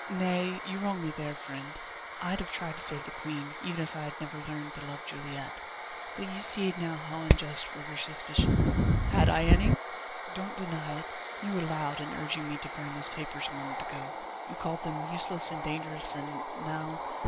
"Nay! you wrong me there, friend. I'd have tried to save the Queen, even if I had never learned to love Juliette. But you see now how unjust were your suspicions." "Had I any?" "Don't deny it. You were loud in urging me to burn those papers a moment ago. You called them useless and dangerous and now